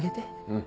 うん。